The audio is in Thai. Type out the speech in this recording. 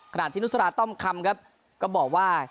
ขนาดที่นุษยาธรรมคำครับก็บอกว่า